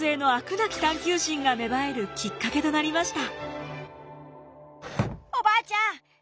なき探究心が芽生えるきっかけとなりました。